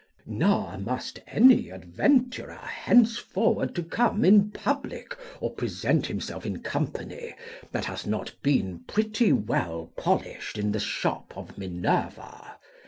Nor must any adventure henceforward to come in public, or present himself in company, that hath not been pretty well polished in the shop of Minerva.